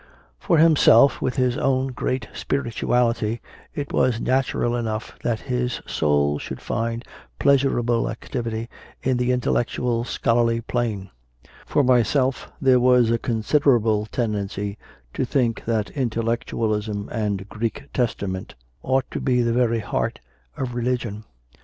For himself, with his own great spirituality, it was natural enough that his soul should find pleasurable activity in the intellec tual scholarly plane; for myself there was a consid erable tendency to think that intellectualism and Greek Testament ought to be the very heart of religion.